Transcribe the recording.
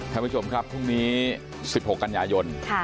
ท่านผู้ชมครับพรุ่งนี้๑๖กันยายน